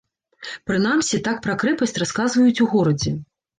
Прынамсі, так пра крэпасць расказваюць у горадзе.